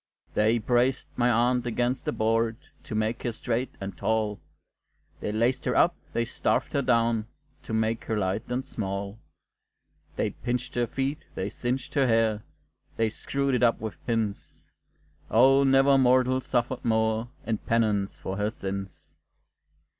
They braced my aunt against a board, To make her straight and tall; They laced her up, they starved her down, To make her light and small; They pinched her feet, they singed her hair, They screwed it up with pins O never mortal suffered more In penance for her sins.